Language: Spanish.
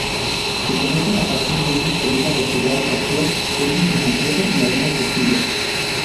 Se conoce a partir de una columna vertebral parcial, pelvis incompleto, y algunas costillas.